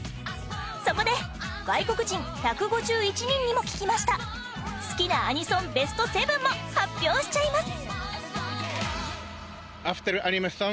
そこで外国人１５１人にも聞きました好きなアニソン、ベスト７も発表しちゃいます